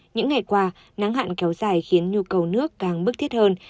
những ngày qua nắng hạn kéo dài khiến nhu cầu nước càng bức thiết hơn